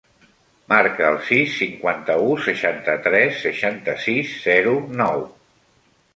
Marca el sis, cinquanta-u, seixanta-tres, seixanta-sis, zero, nou.